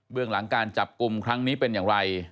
เรื่องหลังการจับกลุ่มครั้งนี้เป็นอย่างไร